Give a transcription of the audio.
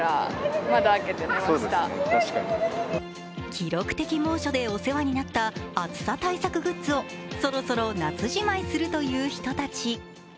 記録的猛暑でお世話になった暑さ対策グッズもそろそろ夏じまいするという人たち。